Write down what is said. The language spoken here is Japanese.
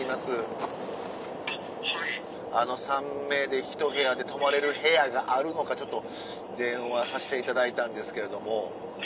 ３名でひと部屋で泊まれる部屋があるのかちょっと電話させていただいたんですけれども。